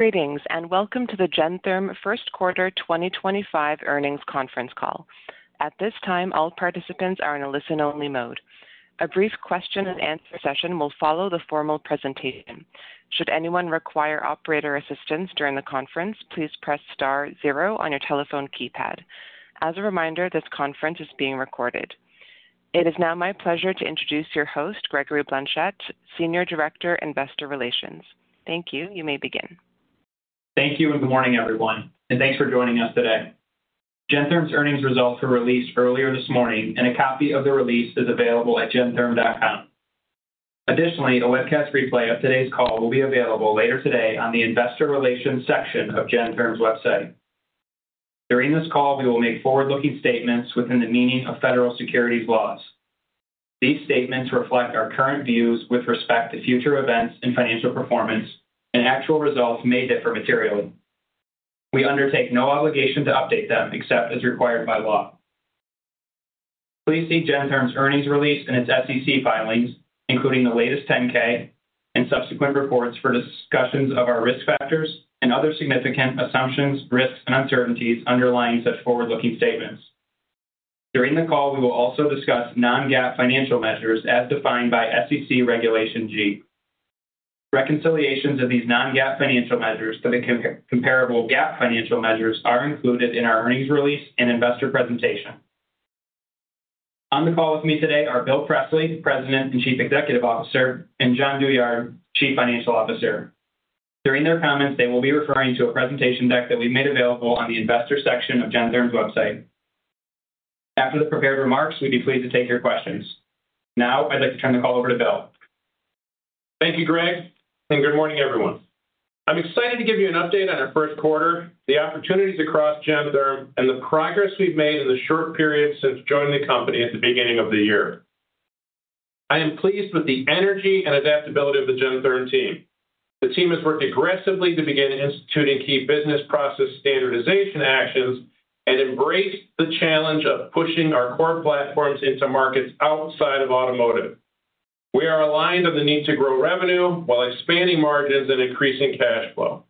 Greetings and welcome to the Gentherm First Quarter 2025 Earnings Conference Call. At this time, all participants are in a listen-only mode. A brief question-and-answer session will follow the formal presentation. Should anyone require operator assistance during the conference, please press star zero on your telephone keypad. As a reminder, this conference is being recorded. It is now my pleasure to introduce your host, Gregory Blanchette, Senior Director, Investor Relations. Thank you. You may begin. Thank you and good morning, everyone, and thanks for joining us today. Gentherm's earnings results were released earlier this morning, and a copy of the release is available at gentherm.com. Additionally, a webcast replay of today's call will be available later today on the Investor Relations section of Gentherm's website. During this call, we will make forward-looking statements within the meaning of federal securities laws. These statements reflect our current views with respect to future events and financial performance, and actual results may differ materially. We undertake no obligation to update them except as required by law. Please see Gentherm's earnings release and its SEC filings, including the latest 10-K and subsequent reports for discussions of our risk factors and other significant assumptions, risks, and uncertainties underlying such forward-looking statements. During the call, we will also discuss non-GAAP financial measures as defined by SEC Regulation G. Reconciliations of these non-GAAP financial measures to the comparable GAAP financial measures are included in our earnings release and investor presentation. On the call with me today are Bill Presley, President and Chief Executive Officer, and Jon Douyard, Chief Financial Officer. During their comments, they will be referring to a presentation deck that we've made available on the Investor section of Gentherm's website. After the prepared remarks, we'd be pleased to take your questions. Now, I'd like to turn the call over to Bill. Thank you, Greg, and good morning, everyone. I'm excited to give you an update on our first quarter, the opportunities across Gentherm, and the progress we've made in the short period since joining the company at the beginning of the year. I am pleased with the energy and adaptability of the Gentherm team. The team has worked aggressively to begin instituting key business process standardization actions and embrace the challenge of pushing our core platforms into markets outside of automotive. We are aligned on the need to grow revenue while expanding margins and increasing cash flow.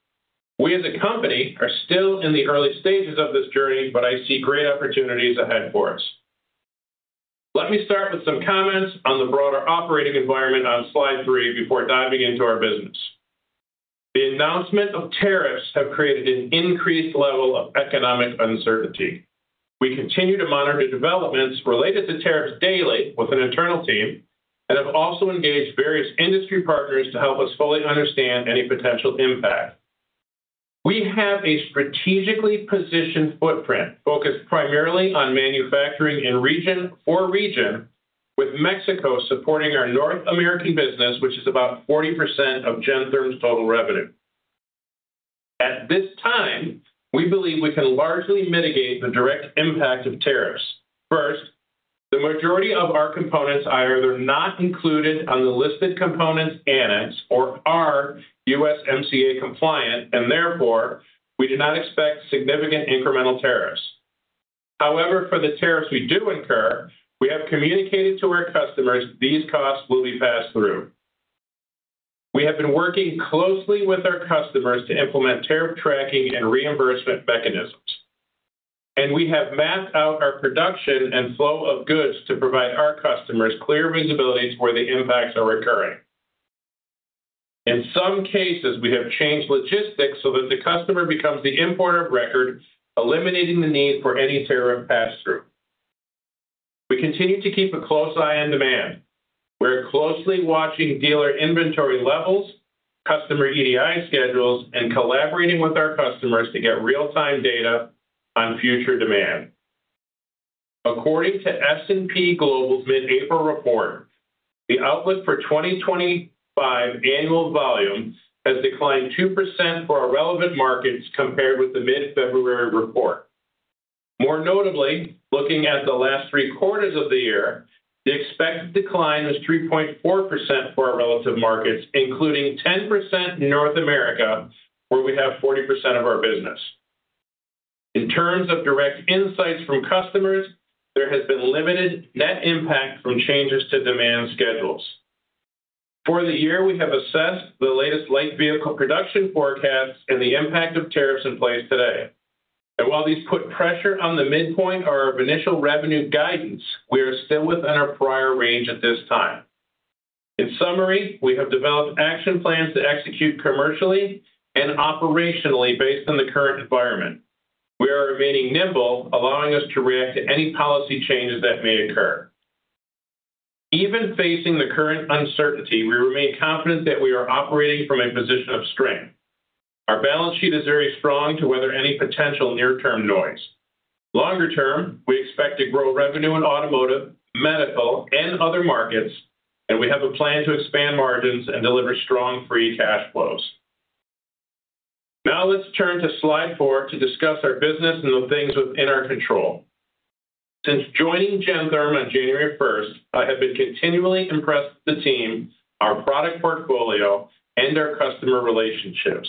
We, as a company, are still in the early stages of this journey, but I see great opportunities ahead for us. Let me start with some comments on the broader operating environment on slide three before diving into our business. The announcement of tariffs has created an increased level of economic uncertainty. We continue to monitor developments related to tariffs daily with an internal team and have also engaged various industry partners to help us fully understand any potential impact. We have a strategically positioned footprint focused primarily on manufacturing in region for region, with Mexico supporting our North American business, which is about 40% of Gentherm's total revenue. At this time, we believe we can largely mitigate the direct impact of tariffs. First, the majority of our components either are not included on the listed components annex or are USMCA compliant, and therefore, we do not expect significant incremental tariffs. However, for the tariffs we do incur, we have communicated to our customers these costs will be passed through. We have been working closely with our customers to implement tariff tracking and reimbursement mechanisms, and we have mapped out our production and flow of goods to provide our customers clear visibility to where the impacts are occurring. In some cases, we have changed logistics so that the customer becomes the importer of record, eliminating the need for any tariff pass-through. We continue to keep a close eye on demand. We're closely watching dealer inventory levels, customer EDI schedules, and collaborating with our customers to get real-time data on future demand. According to S&P Global's mid-April report, the outlook for 2025 annual volume has declined 2% for our relevant markets compared with the mid-February report. More notably, looking at the last three quarters of the year, the expected decline was 3.4% for our relative markets, including 10% in North America, where we have 40% of our business. In terms of direct insights from customers, there has been limited net impact from changes to demand schedules. For the year, we have assessed the latest light vehicle production forecasts and the impact of tariffs in place today. While these put pressure on the midpoint of our initial revenue guidance, we are still within our prior range at this time. In summary, we have developed action plans to execute commercially and operationally based on the current environment. We are remaining nimble, allowing us to react to any policy changes that may occur. Even facing the current uncertainty, we remain confident that we are operating from a position of strength. Our balance sheet is very strong to weather any potential near-term noise. Longer term, we expect to grow revenue in automotive, medical, and other markets, and we have a plan to expand margins and deliver strong free cash flows. Now, let's turn to slide four to discuss our business and the things within our control. Since joining Gentherm on January 1, I have been continually impressed with the team, our product portfolio, and our customer relationships.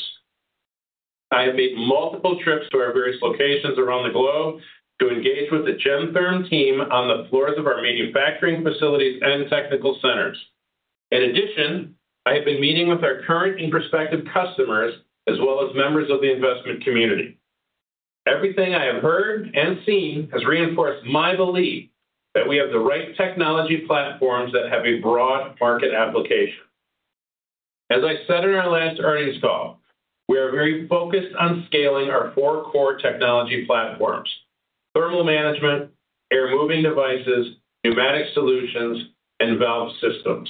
I have made multiple trips to our various locations around the globe to engage with the Gentherm team on the floors of our manufacturing facilities and technical centers. In addition, I have been meeting with our current and prospective customers, as well as members of the investment community. Everything I have heard and seen has reinforced my belief that we have the right technology platforms that have a broad market application. As I said in our last earnings call, we are very focused on scaling our four core technology platforms: thermal management, air-moving devices, pneumatic solutions, and valve systems.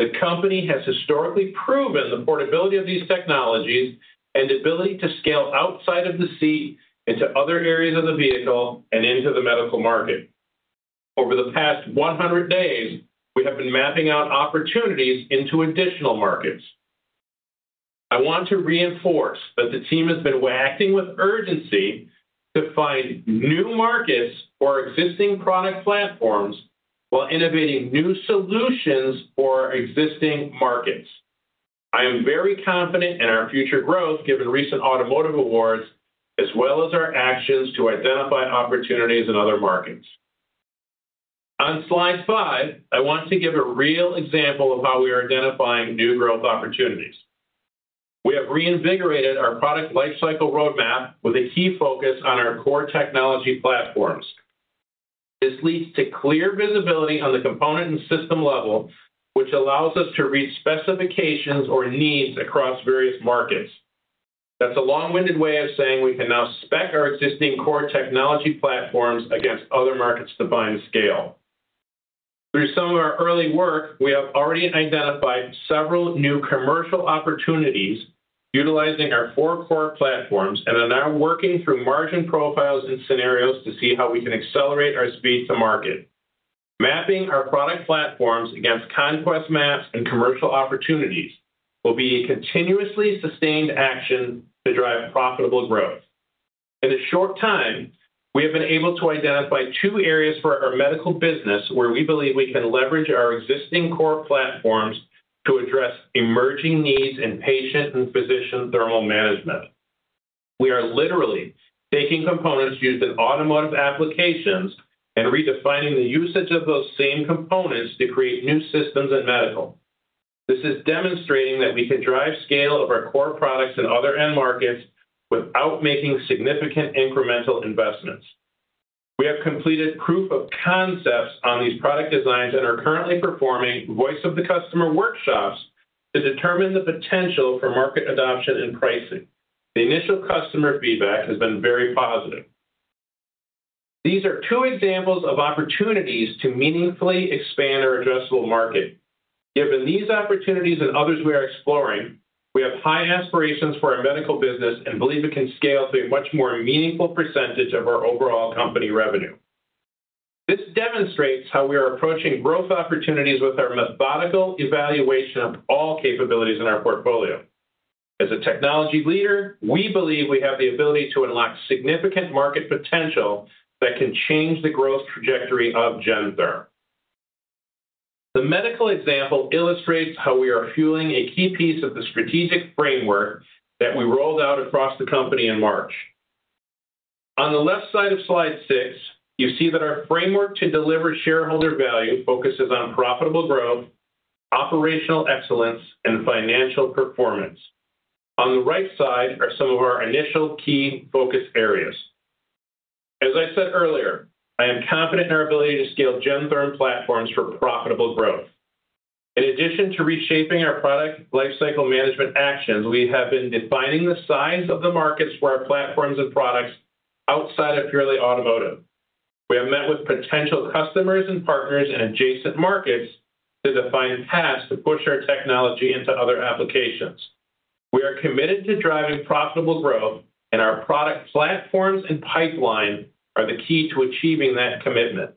The company has historically proven the portability of these technologies and ability to scale outside of the seat into other areas of the vehicle and into the medical market. Over the past 100 days, we have been mapping out opportunities into additional markets. I want to reinforce that the team has been acting with urgency to find new markets for existing product platforms while innovating new solutions for existing markets. I am very confident in our future growth given recent automotive awards, as well as our actions to identify opportunities in other markets. On slide five, I want to give a real example of how we are identifying new growth opportunities. We have reinvigorated our product lifecycle roadmap with a key focus on our core technology platforms. This leads to clear visibility on the component and system level, which allows us to read specifications or needs across various markets. That's a long-winded way of saying we can now spec our existing core technology platforms against other markets to find scale. Through some of our early work, we have already identified several new commercial opportunities utilizing our four core platforms and are now working through margin profiles and scenarios to see how we can accelerate our speed to market. Mapping our product platforms against conquest maps and commercial opportunities will be a continuously sustained action to drive profitable growth. In a short time, we have been able to identify two areas for our medical business where we believe we can leverage our existing core platforms to address emerging needs in patient and physician thermal management. We are literally taking components used in automotive applications and redefining the usage of those same components to create new systems in medical. This is demonstrating that we can drive scale of our core products in other end markets without making significant incremental investments. We have completed proof of concepts on these product designs and are currently performing voice-of-the-customer workshops to determine the potential for market adoption and pricing. The initial customer feedback has been very positive. These are two examples of opportunities to meaningfully expand our addressable market. Given these opportunities and others we are exploring, we have high aspirations for our medical business and believe it can scale to a much more meaningful percentage of our overall company revenue. This demonstrates how we are approaching growth opportunities with our methodical evaluation of all capabilities in our portfolio. As a technology leader, we believe we have the ability to unlock significant market potential that can change the growth trajectory of Gentherm. The medical example illustrates how we are fueling a key piece of the strategic framework that we rolled out across the company in March. On the left side of slide six, you see that our framework to deliver shareholder value focuses on profitable growth, operational excellence, and financial performance. On the right side are some of our initial key focus areas. As I said earlier, I am confident in our ability to scale Gentherm platforms for profitable growth. In addition to reshaping our product lifecycle management actions, we have been defining the size of the markets for our platforms and products outside of purely automotive. We have met with potential customers and partners in adjacent markets to define paths to push our technology into other applications. We are committed to driving profitable growth, and our product platforms and pipeline are the key to achieving that commitment.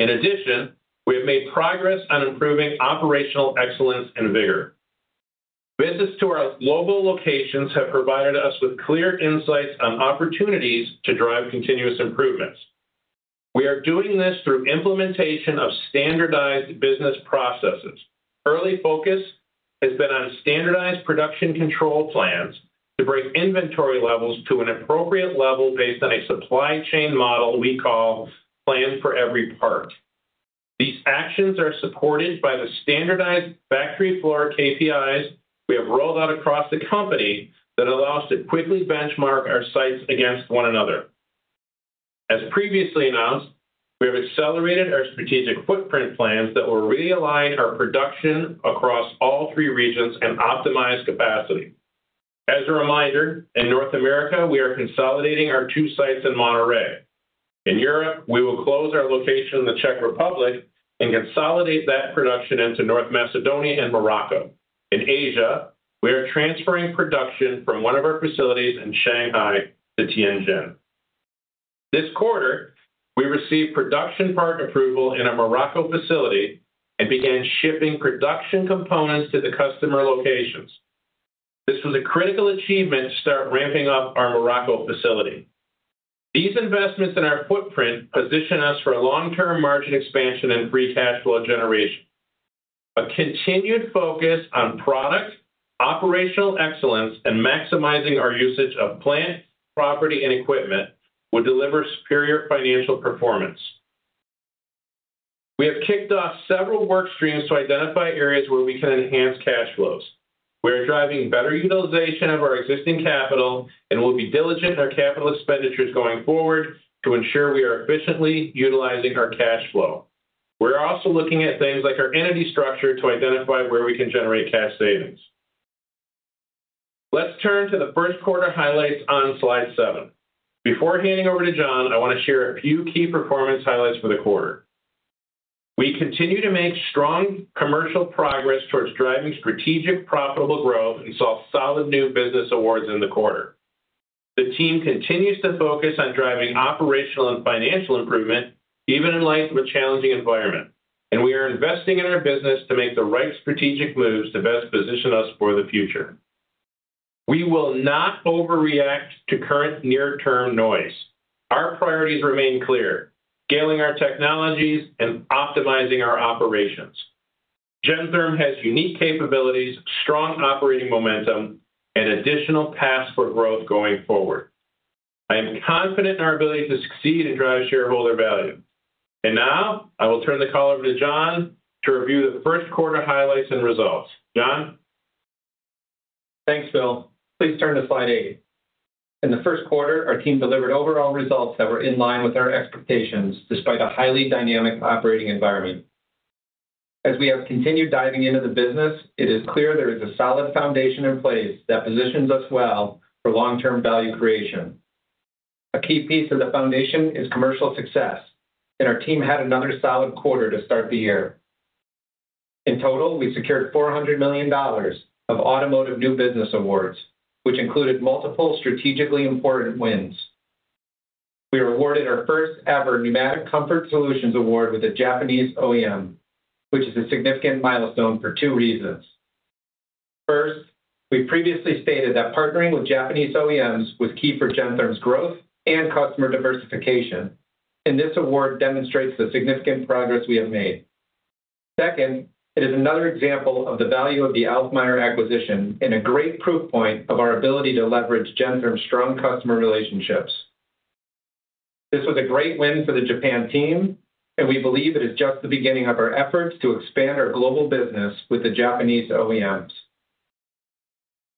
In addition, we have made progress on improving operational excellence and vigor. Visits to our global locations have provided us with clear insights on opportunities to drive continuous improvements. We are doing this through implementation of standardized business processes. Early focus has been on standardized production control plans to bring inventory levels to an appropriate level based on a supply chain model we call Plan For Every Part. These actions are supported by the standardized factory floor KPIs we have rolled out across the company that allow us to quickly benchmark our sites against one another. As previously announced, we have accelerated our strategic footprint plans that will realign our production across all three regions and optimize capacity. As a reminder, in North America, we are consolidating our two sites in Monterrey. In Europe, we will close our location in the Czech Republic and consolidate that production into North Macedonia and Morocco. In Asia, we are transferring production from one of our facilities in Shanghai to Tianjin. This quarter, we received production part approval in a Morocco facility and began shipping production components to the customer locations. This was a critical achievement to start ramping up our Morocco facility. These investments in our footprint position us for long-term margin expansion and free cash flow generation. A continued focus on product operational excellence and maximizing our usage of plant, property, and equipment will deliver superior financial performance. We have kicked off several work streams to identify areas where we can enhance cash flows. We are driving better utilization of our existing capital and will be diligent in our capital expenditures going forward to ensure we are efficiently utilizing our cash flow. We're also looking at things like our entity structure to identify where we can generate cash savings. Let's turn to the first quarter highlights on slide seven. Before handing over to Jon, I want to share a few key performance highlights for the quarter. We continue to make strong commercial progress towards driving strategic profitable growth and saw solid new business awards in the quarter. The team continues to focus on driving operational and financial improvement even in light of a challenging environment, and we are investing in our business to make the right strategic moves to best position us for the future. We will not overreact to current near-term noise. Our priorities remain clear: scaling our technologies and optimizing our operations. Gentherm has unique capabilities, strong operating momentum, and additional paths for growth going forward. I am confident in our ability to succeed and drive shareholder value. I will turn the call over to Jon to review the first quarter highlights and results. Jon? Thanks, Bill. Please turn to slide eight. In the first quarter, our team delivered overall results that were in line with our expectations despite a highly dynamic operating environment. As we have continued diving into the business, it is clear there is a solid foundation in place that positions us well for long-term value creation. A key piece of the foundation is commercial success, and our team had another solid quarter to start the year. In total, we secured $400 million of automotive new business awards, which included multiple strategically important wins. We awarded our first-ever pneumatic comfort solutions award with a Japanese OEM, which is a significant milestone for two reasons. First, we previously stated that partnering with Japanese OEMs was key for Gentherm's growth and customer diversification, and this award demonstrates the significant progress we have made. Second, it is another example of the value of the Alfmeier acquisition and a great proof point of our ability to leverage Gentherm's strong customer relationships. This was a great win for the Japan team, and we believe it is just the beginning of our efforts to expand our global business with the Japanese OEMs.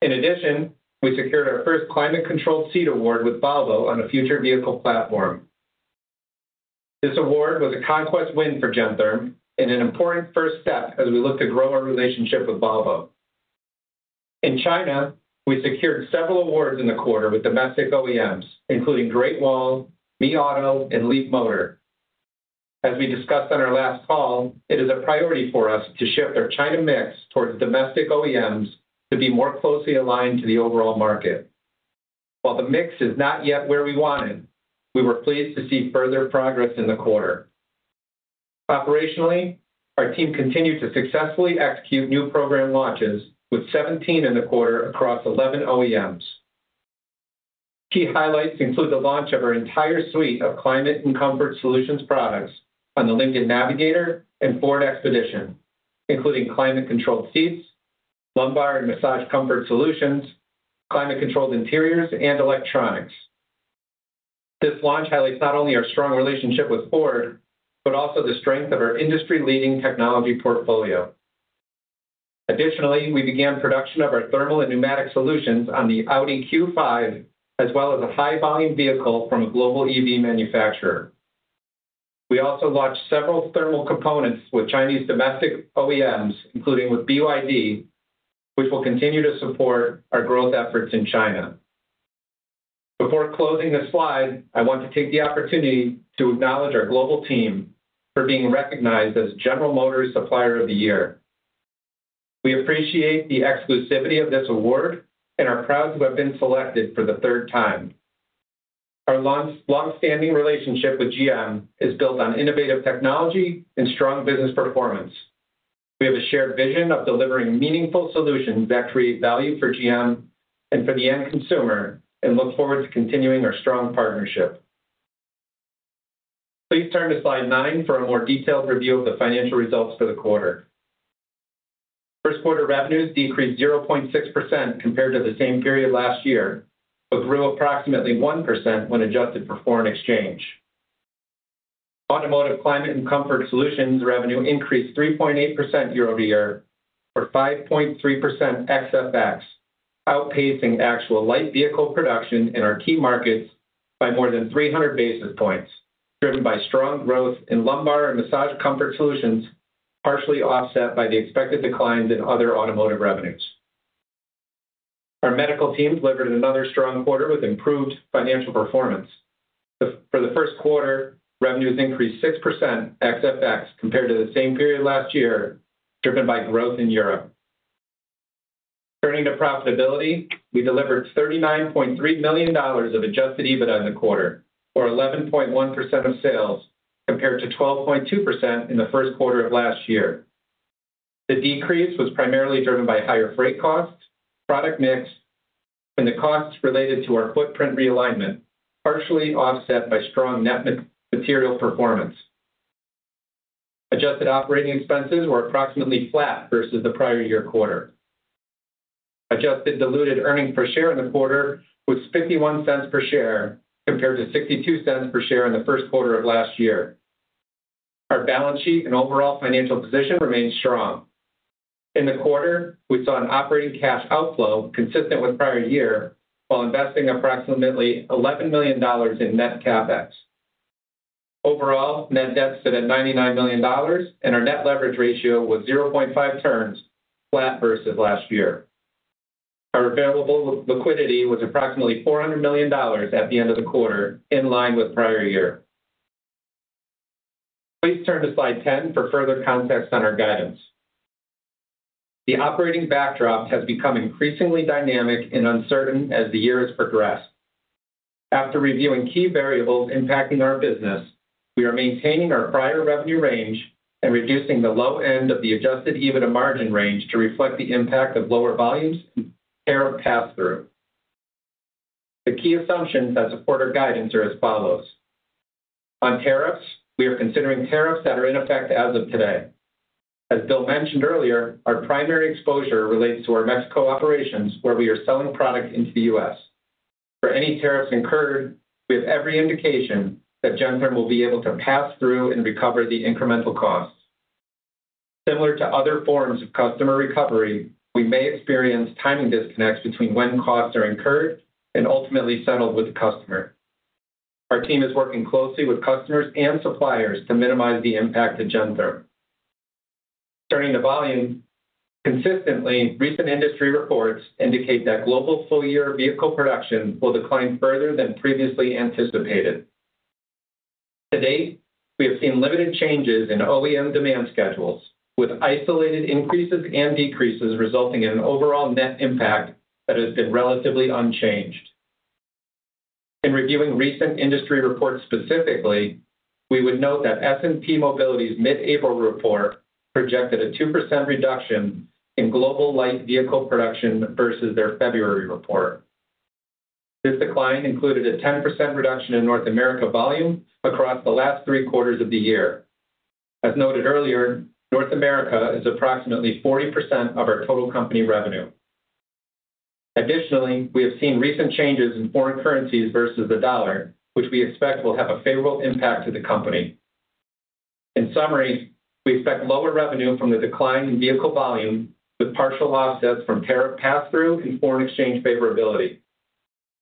In addition, we secured our first climate-controlled seat award with Volvo on a future vehicle platform. This award was a conquest win for Gentherm and an important first step as we look to grow our relationship with Volvo. In China, we secured several awards in the quarter with domestic OEMs, including Great Wall, Li Auto, and Leapmotor. As we discussed on our last call, it is a priority for us to shift our China mix towards domestic OEMs to be more closely aligned to the overall market. While the mix is not yet where we want it, we were pleased to see further progress in the quarter. Operationally, our team continued to successfully execute new program launches with 17 in the quarter across 11 OEMs. Key highlights include the launch of our entire suite of climate and comfort solutions products on the Lincoln Navigator and Ford Expedition, including climate-controlled seats, lumbar and massage comfort solutions, climate-controlled interiors, and electronics. This launch highlights not only our strong relationship with Ford, but also the strength of our industry-leading technology portfolio. Additionally, we began production of our thermal and pneumatic solutions on the Audi Q5, as well as a high-volume vehicle from a global EV manufacturer. We also launched several thermal components with Chinese domestic OEMs, including with BYD, which will continue to support our growth efforts in China. Before closing this slide, I want to take the opportunity to acknowledge our global team for being recognized as General Motors Supplier of the Year. We appreciate the exclusivity of this award and are proud to have been selected for the third time. Our long-standing relationship with GM is built on innovative technology and strong business performance. We have a shared vision of delivering meaningful solutions that create value for GM and for the end consumer and look forward to continuing our strong partnership. Please turn to slide nine for a more detailed review of the financial results for the quarter. First quarter revenues decreased 0.6% compared to the same period last year, but grew approximately 1% when adjusted for foreign exchange. Automotive climate and comfort solutions revenue increased 3.8% year-over-year for 5.3% ex-FX, outpacing actual light vehicle production in our key markets by more than 300 basis points, driven by strong growth in lumbar and massage comfort solutions, partially offset by the expected declines in other automotive revenues. Our medical team delivered another strong quarter with improved financial performance. For the first quarter, revenues increased 6% ex-FX compared to the same period last year, driven by growth in Europe. Turning to profitability, we delivered $39.3 million of Adjusted EBITDA in the quarter, or 11.1% of sales, compared to 12.2% in the first quarter of last year. The decrease was primarily driven by higher freight costs, product mix, and the costs related to our footprint realignment, partially offset by strong net material performance. Adjusted operating expenses were approximately flat versus the prior year quarter. Adjusted diluted earnings per share in the quarter was $0.51 per share compared to $0.62 per share in the first quarter of last year. Our balance sheet and overall financial position remained strong. In the quarter, we saw an operating cash outflow consistent with prior year while investing approximately $11 million in net CapEx. Overall, net debt stood at $99 million, and our net leverage ratio was 0.5 turns, flat versus last year. Our available liquidity was approximately $400 million at the end of the quarter, in line with prior year. Please turn to slide 10 for further context on our guidance. The operating backdrop has become increasingly dynamic and uncertain as the year has progressed. After reviewing key variables impacting our business, we are maintaining our prior revenue range and reducing the low end of the Adjusted EBITDA margin range to reflect the impact of lower volumes and tariff pass-through. The key assumptions that support our guidance are as follows. On tariffs, we are considering tariffs that are in effect as of today. As Bill mentioned earlier, our primary exposure relates to our Mexico operations, where we are selling product into the U.S. For any tariffs incurred, we have every indication that Gentherm will be able to pass through and recover the incremental costs. Similar to other forms of customer recovery, we may experience timing disconnects between when costs are incurred and ultimately settled with the customer. Our team is working closely with customers and suppliers to minimize the impact to Gentherm. Turning to volume, consistently, recent industry reports indicate that global full-year vehicle production will decline further than previously anticipated. To date, we have seen limited changes in OEM demand schedules, with isolated increases and decreases resulting in an overall net impact that has been relatively unchanged. In reviewing recent industry reports specifically, we would note that S&P Mobility's mid-April report projected a 2% reduction in global light vehicle production versus their February report. This decline included a 10% reduction in North America volume across the last three quarters of the year. As noted earlier, North America is approximately 40% of our total company revenue. Additionally, we have seen recent changes in foreign currencies versus the dollar, which we expect will have a favorable impact to the company. In summary, we expect lower revenue from the decline in vehicle volume, with partial offsets from tariff pass-through and foreign exchange favorability.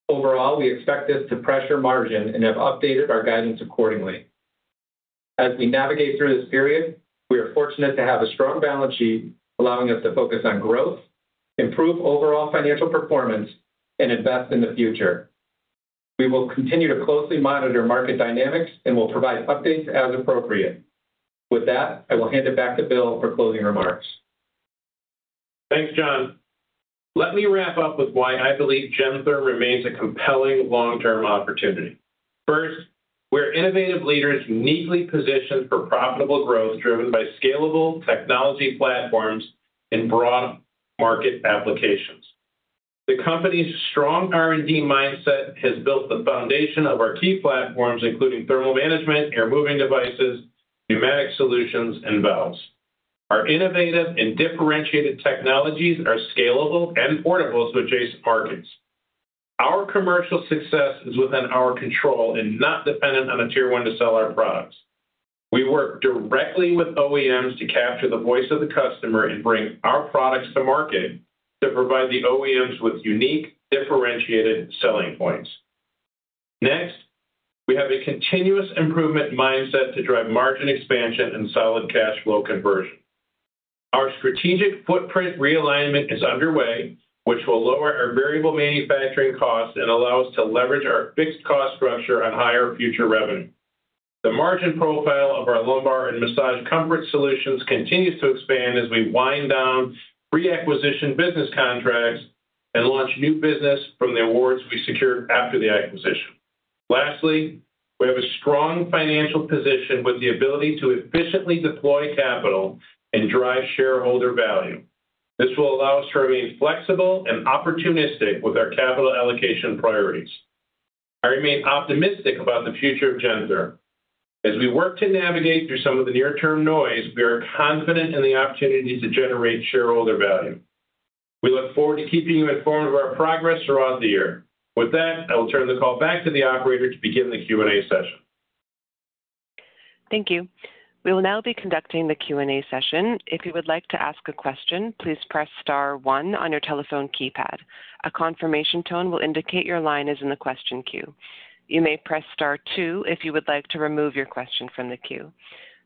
Overall, we expect this to pressure margin and have updated our guidance accordingly. As we navigate through this period, we are fortunate to have a strong balance sheet allowing us to focus on growth, improve overall financial performance, and invest in the future. We will continue to closely monitor market dynamics and will provide updates as appropriate. With that, I will hand it back to Bill for closing remarks. Thanks, Jon. Let me wrap up with why I believe Gentherm remains a compelling long-term opportunity. First, we are innovative leaders uniquely positioned for profitable growth driven by scalable technology platforms and broad market applications. The company's strong R&D mindset has built the foundation of our key platforms, including thermal management, air moving devices, pneumatic solutions, and valves. Our innovative and differentiated technologies are scalable and portable to adjacent markets. Our commercial success is within our control and not dependent on a tier one to sell our products. We work directly with OEMs to capture the voice of the customer and bring our products to market to provide the OEMs with unique differentiated selling points. Next, we have a continuous improvement mindset to drive margin expansion and solid cash flow conversion. Our strategic footprint realignment is underway, which will lower our variable manufacturing costs and allow us to leverage our fixed cost structure on higher future revenue. The margin profile of our lumbar and massage comfort solutions continues to expand as we wind down pre-acquisition business contracts and launch new business from the awards we secured after the acquisition. Lastly, we have a strong financial position with the ability to efficiently deploy capital and drive shareholder value. This will allow us to remain flexible and opportunistic with our capital allocation priorities. I remain optimistic about the future of Gentherm. As we work to navigate through some of the near-term noise, we are confident in the opportunity to generate shareholder value. We look forward to keeping you informed of our progress throughout the year. With that, I will turn the call back to the operator to begin the Q&A session. Thank you. We will now be conducting the Q&A session. If you would like to ask a question, please press star one on your telephone keypad. A confirmation tone will indicate your line is in the question queue. You may press star two if you would like to remove your question from the queue.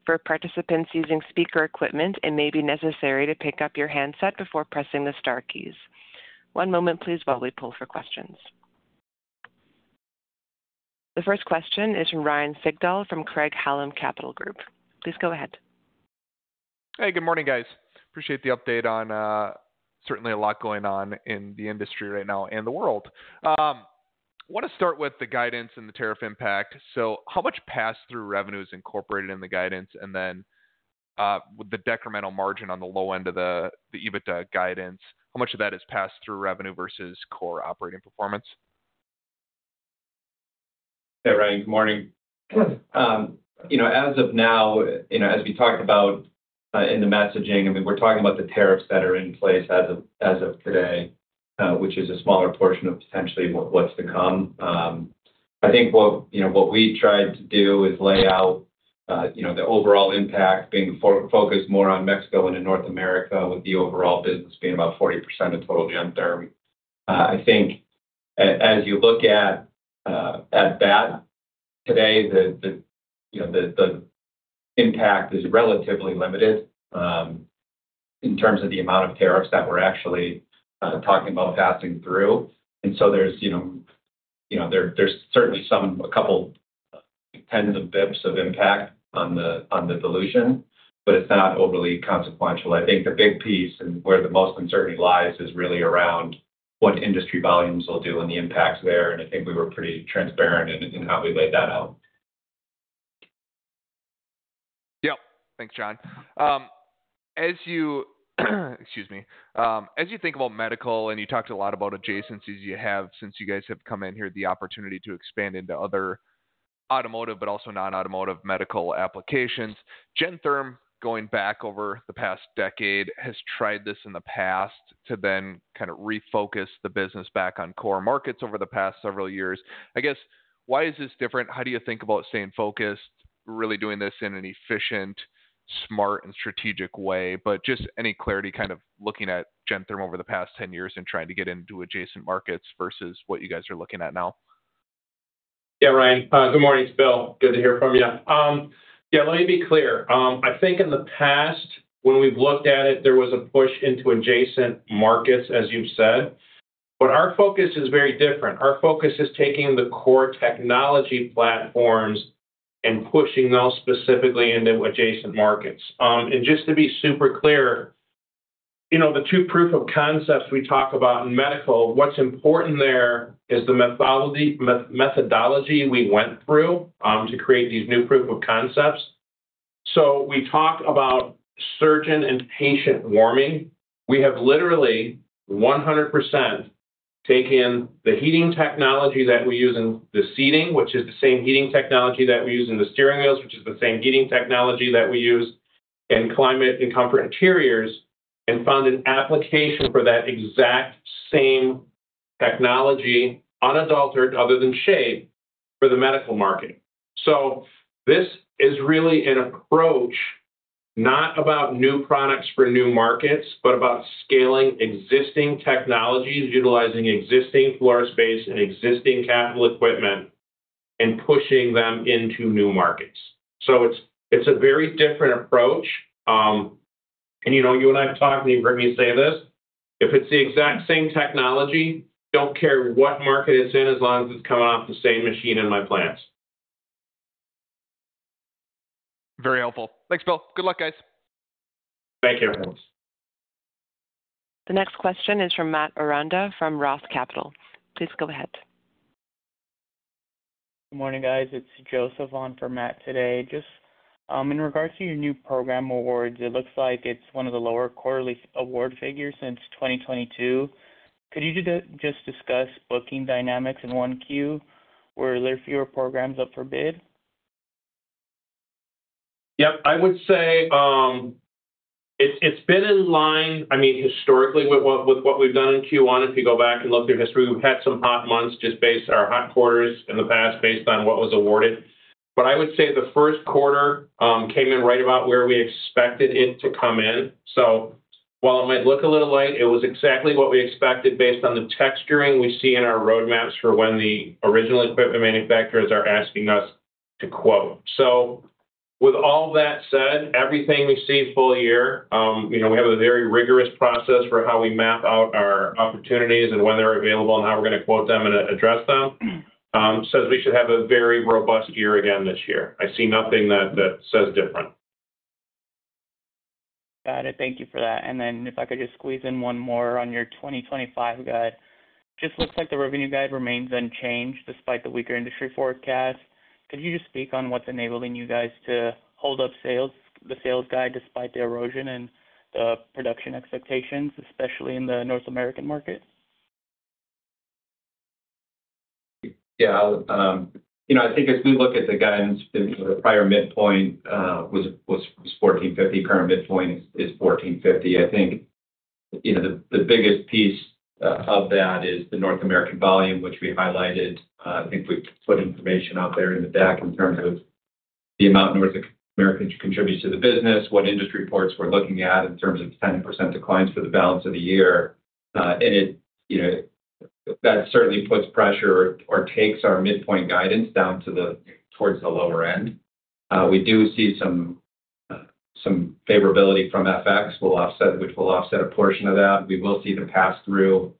For participants using speaker equipment, it may be necessary to pick up your handset before pressing the star keys. One moment, please, while we pull for questions. The first question is from Ryan Sigdahl from Craig-Hallum Capital Group. Please go ahead. Hey, good morning, guys. Appreciate the update on, certainly a lot going on in the industry right now and the world. Want to start with the guidance and the tariff impact. How much pass-through revenue is incorporated in the guidance and then, with the decremental margin on the low end of the EBITDA guidance, how much of that is pass-through revenue versus core operating performance? Hey, Ryan, good morning. You know, as of now, you know, as we talked about, in the messaging, I mean, we're talking about the tariffs that are in place as of today, which is a smaller portion of potentially what's to come. I think what, you know, what we tried to do is lay out, you know, the overall impact being focused more on Mexico and in North America, with the overall business being about 40% of total Gentherm. I think, as you look at that today, the, you know, the impact is relatively limited, in terms of the amount of tariffs that we're actually talking about passing through. And so there's, you know, you know, there's certainly some, a couple, tens of basis points of impact on the dilution, but it's not overly consequential. I think the big piece and where the most uncertainty lies is really around what industry volumes will do and the impacts there. I think we were pretty transparent in how we laid that out. Yeah, thanks, Jon. As you, excuse me, as you think about medical and you talked a lot about adjacencies you have since you guys have come in here, the opportunity to expand into other automotive, but also non-automotive medical applications. Gentherm, going back over the past decade, has tried this in the past to then kind of refocus the business back on core markets over the past several years. I guess, why is this different? How do you think about staying focused, really doing this in an efficient, smart, and strategic way? Just any clarity, kind of looking at Gentherm over the past 10 years and trying to get into adjacent markets versus what you guys are looking at now. Yeah, Ryan, good morning, Bill. Good to hear from you. Yeah, let me be clear. I think in the past, when we've looked at it, there was a push into adjacent markets, as you've said. Our focus is very different. Our focus is taking the core technology platforms and pushing those specifically into adjacent markets. And just to be super clear, you know, the two proof of concepts we talk about in medical, what's important there is the methodology we went through to create these new proof of concepts. We talk about surgeon and patient warming. We have literally 100% taken the heating technology that we use in the seating, which is the same heating technology that we use in the steering wheels, which is the same heating technology that we use in climate and comfort interiors, and found an application for that exact same technology unadultered, other than shade, for the medical market. This is really an approach not about new products for new markets, but about scaling existing technologies, utilizing existing floor space and existing capital equipment and pushing them into new markets. It is a very different approach. You know, you and I have talked and you've heard me say this, if it's the exact same technology, I do not care what market it's in, as long as it's coming off the same machine in my plants. Very helpful. Thanks, Bill. Good luck, guys. Thank you, everyone. The next question is from Matt Koranda from Roth Capital. Please go ahead. Good morning, guys. It's Joseph on for Matt today. Just in regards to your new program awards, it looks like it's one of the lower quarterly award figures since 2022. Could you just discuss booking dynamics in Q1? Were there fewer programs up for bid? Yep, I would say it's been in line, I mean, historically with what we've done in Q1. If you go back and look through history, we've had some hot months just based on our hot quarters in the past based on what was awarded. I would say the first quarter came in right about where we expected it to come in. While it might look a little light, it was exactly what we expected based on the texturing we see in our roadmaps for when the original equipment manufacturers are asking us to quote. With all that said, everything we see full year, you know, we have a very rigorous process for how we map out our opportunities and when they're available and how we're going to quote them and address them. We should have a very robust year again this year. I see nothing that says different. Got it. Thank you for that. If I could just squeeze in one more on your 2025 guide. Just looks like the revenue guide remains unchanged despite the weaker industry forecast. Could you just speak on what's enabling you guys to hold up the sales guide despite the erosion in the production expectations, especially in the North American market? Yeah, I think as we look at the guidance, the prior midpoint was $1,450. Current midpoint is $1,450. I think the biggest piece of that is the North American volume, which we highlighted. I think we put information out there in the back in terms of the amount North America contributes to the business, what industry reports we're looking at in terms of 10% declines for the balance of the year. and it, you know, that certainly puts pressure or takes our midpoint guidance down to the, towards the lower end. We do see some favorability from FX, which will offset a portion of that. We will see the pass-through,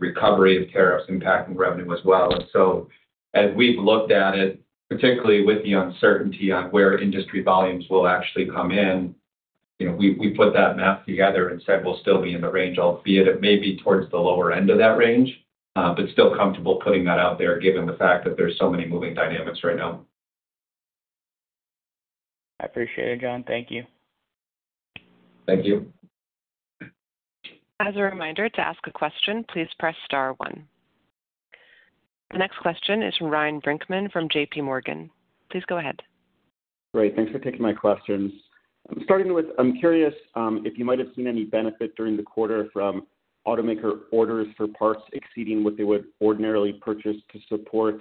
recovery of tariffs impacting revenue as well. As we've looked at it, particularly with the uncertainty on where industry volumes will actually come in, you know, we put that math together and said we'll still be in the range, albeit it may be towards the lower end of that range, but still comfortable putting that out there given the fact that there's so many moving dynamics right now. I appreciate it, Jon. Thank you. Thank you. As a reminder, to ask a question, please press star one. The next question is from Ryan Brinkman from JPMorgan. Please go ahead. Great. Thanks for taking my questions. I'm starting with, I'm curious, if you might have seen any benefit during the quarter from automaker orders for parts exceeding what they would ordinarily purchase to support,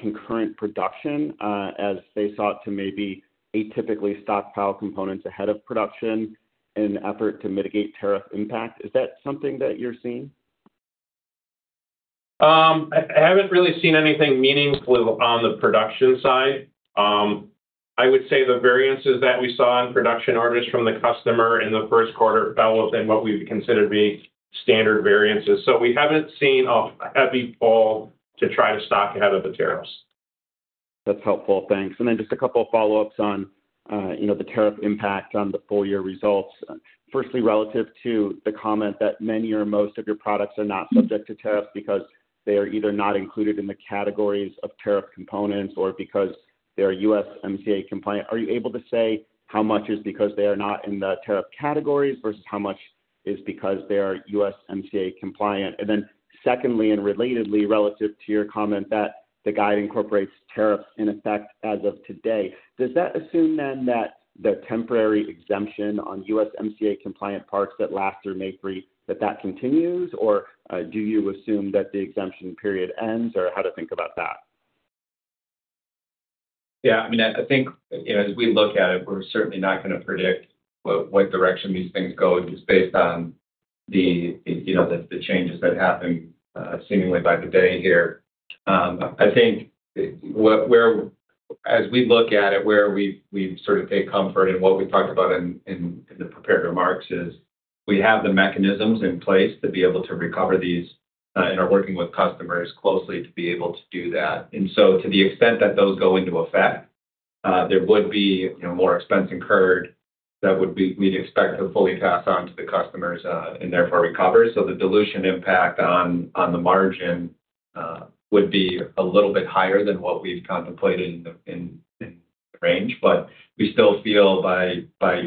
concurrent production, as they sought to maybe atypically stockpile components ahead of production in an effort to mitigate tariff impact. Is that something that you're seeing? I haven't really seen anything meaningful on the production side. I would say the variances that we saw in production orders from the customer in the first quarter fell within what we consider to be standard variances. So we haven't seen a heavy fall to try to stock ahead of the tariffs. That's helpful. Thanks. Just a couple of follow-ups on, you know, the tariff impact on the full year results. Firstly, relative to the comment that many or most of your products are not subject to tariffs because they are either not included in the categories of tariff components or because they are USMCA compliant. Are you able to say how much is because they are not in the tariff categories versus how much is because they are USMCA compliant? Secondly, and relatedly relative to your comment that the guide incorporates tariffs in effect as of today, does that assume then that the temporary exemption on USMCA compliant parts that lasts through May 3, that that continues, or do you assume that the exemption period ends or how to think about that? Yeah, I mean, I think, you know, as we look at it, we're certainly not going to predict what direction these things go just based on the, you know, the changes that happen, seemingly by the day here. I think where, as we look at it, where we've sort of taken comfort and what we've talked about in the prepared remarks is we have the mechanisms in place to be able to recover these, and are working with customers closely to be able to do that. To the extent that those go into effect, there would be, you know, more expense incurred that would be, we'd expect to fully pass on to the customers, and therefore recover. The dilution impact on the margin would be a little bit higher than what we've contemplated in the range. We still feel by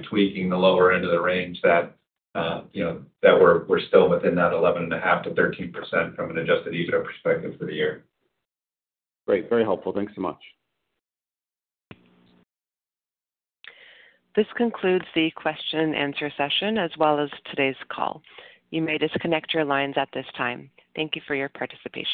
tweaking the lower end of the range that, you know, that we're still within that 11.5%-13% from an Adjusted EBITDA perspective for the year. Great. Very helpful. Thanks so much. This concludes the question and answer session as well as today's call. You may disconnect your lines at this time. Thank you for your participation.